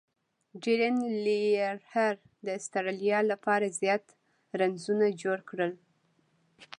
ډیرن لیهر د اسټرالیا له پاره زیات رنزونه جوړ کړل.